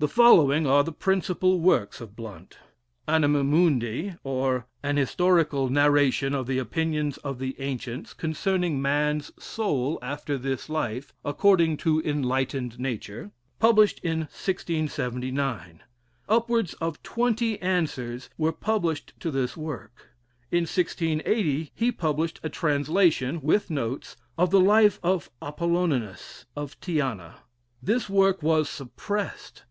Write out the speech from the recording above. The following are the principal works of Blount: "Anima Mundi; or, an Historical Narration of the Opinions of the Ancients concerning Man's Soul after this Life, according to Enlightened Nature;" published in 1679. Upwards of twenty answers were published to this work. In 1680 he published a translation, with notes, of the life of Apolloninis, of Tyana. This work was suppressed.